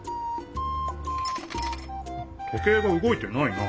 時計がうごいてないな。